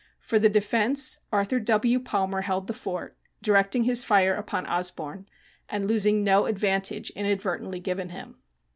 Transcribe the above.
For the defense Arthur W. Palmer held the fort, directing his fire upon Osborne and losing no advantage inadvertently given him.